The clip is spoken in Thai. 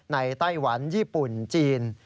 ไต้หวันญี่ปุ่นจีน